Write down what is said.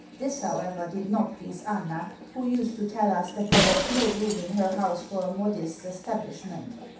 This, however, did not please Anna, who used to tell us that there was no room in her house for a modiste's establishment.